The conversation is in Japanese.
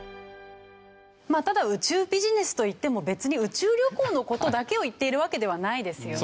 ただ宇宙ビジネスといっても別に宇宙旅行の事だけを言っているわけではないですよね。